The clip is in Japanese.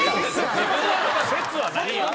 説はないよ。